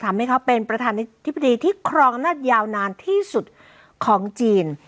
ทำให้เขาเป็นประธานาธิบดีที่ครองอำนาจยาวนานที่สุดของจีน